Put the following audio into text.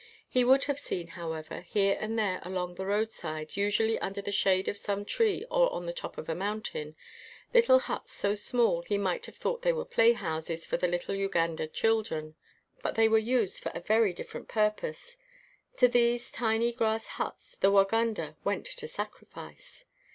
He would have seen, however, here and there along the roadside, usually under the shade of some tree or on the top of a mountain, lit tle huts so small he might have thought they were playhouses for the little Uganda chil dren; but they were used for a very differ ent purpose. To these tiny grass huts the Waganda went to sacrifice.